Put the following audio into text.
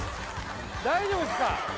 大丈夫ですか？